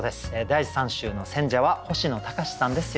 第３週の選者は星野高士さんです。